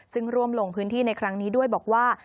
ซึ่งร่วมลงพื้นที่ในครั้งนี้ด้วยบอกว่า